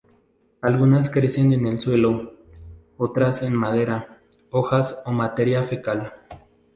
Algunas crecen en el suelo; otras, en madera, hojas o materia fecal.